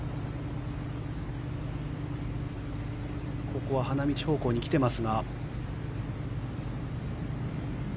ここは花道方向に来てますが。